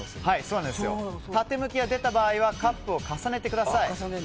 縦向きが出た場合はカップを重ねてください。